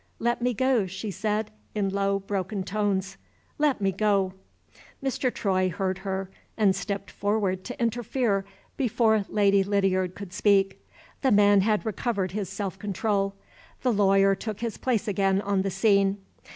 "Let me go!" she said, in low, broken tones, "Let me go!" Mr. Troy heard her, and stepped forward to interfere before Lady Lydiard could speak. The man had recovered his self control; the lawyer took his place again on the scene.